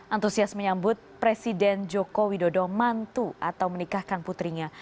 antusias menyambut presiden joko widodo mantu atau menikahkan putrinya